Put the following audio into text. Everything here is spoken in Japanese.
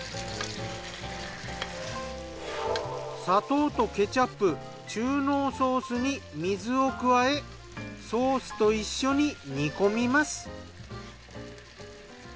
砂糖とケチャップ中濃ソースに水を加えソースと一緒に煮込みます。